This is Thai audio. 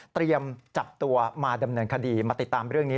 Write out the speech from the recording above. จับตัวมาดำเนินคดีมาติดตามเรื่องนี้